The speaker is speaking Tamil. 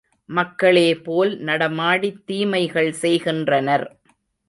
மக்களே போல் நடமாடித் தீமைகள் செய்கின்றனர்.